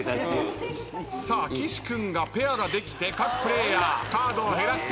さあ岸君がペアができて各プレイヤーカードを減らしていきます。